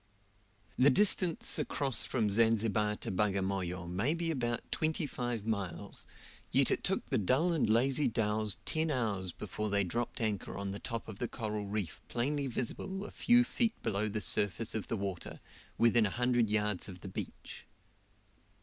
The distance across from Zanzibar to Bagamoyo may be about twenty five miles, yet it took the dull and lazy dhows ten hours before they dropped anchor on the top of the coral reef plainly visible a few feet below the surface of the water, within a hundred yards of the beach.